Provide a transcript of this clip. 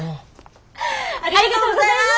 ありがとうございます！